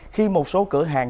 khi một số cửa hàng